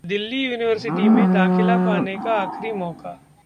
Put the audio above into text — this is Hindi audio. दिल्ली यूनिवर्सिटी में दाखिला पाने का आखिरी मौका